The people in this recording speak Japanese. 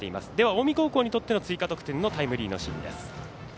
近江高校にとっての追加得点のタイムリーのシーンです。